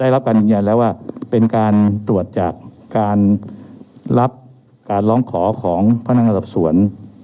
เรียกได้รักการตัวจากการรองของพนักงานการศัพท์ส่วน